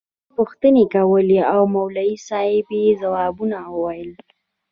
هغوى پوښتنې کولې او مولوي صاحب يې ځوابونه ويل.